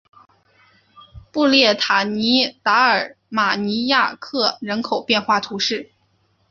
布列塔尼达尔马尼亚克人口变化图示